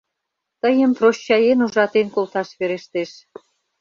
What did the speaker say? Тыйым прощаен ужатен колташ верештеш.